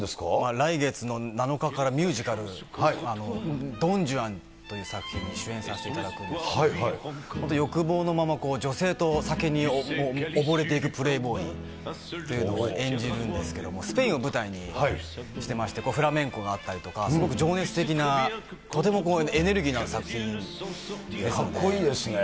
来月の７日からミュージカル、ドン・ジュアンという作品に主演させていただくんですけど、本当、欲望のまま女性とお酒に溺れていくプレイボーイっていうのを演じるんですけども、スペインを舞台にしてまして、フラメンコがあったりとか情熱的な、とてもエネルギーのある作品かっこいいですね。